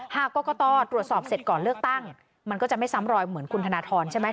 กรกตตรวจสอบเสร็จก่อนเลือกตั้งมันก็จะไม่ซ้ำรอยเหมือนคุณธนทรใช่ไหม